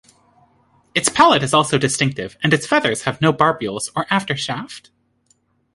Its palate is also distinctive, and its feathers have no barbules or aftershaft.